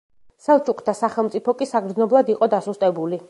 სელჩუკთა სახელმწიფო კი საგრძნობლად იყო დასუსტებული.